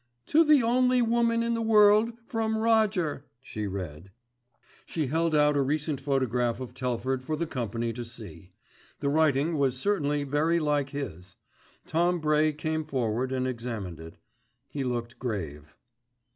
"To the only woman in the world, from Roger," she read. She held out a recent photograph of Telford for the company to see. The writing was certainly very like his. Tom Bray came forward and examined it. He looked grave.